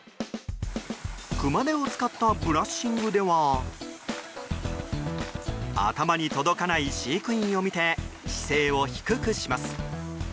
熊手を使ったブラッシングでは頭に届かない飼育員を見て姿勢を低くします。